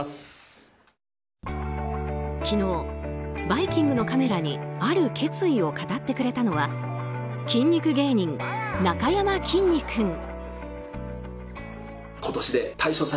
昨日「バイキング」のカメラにある決意を語ってくれたのは筋肉芸人、なかやまきんに君。